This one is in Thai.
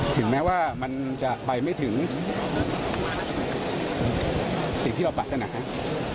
ถึงแม้ว่ามันจะไปไม่ถึงสิ่งที่เราปักกันนะครับ